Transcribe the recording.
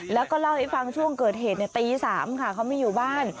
แล้วก็เล่าให้ฟังช่วงเกิดเหตุตี๓ค่ะเขาไม่อยู่บ้าน